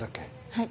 はい。